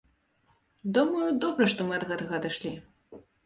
Думаю, добра, што мы ад гэтага адышлі.